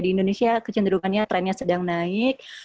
di indonesia kecenderungannya trennya sedang naik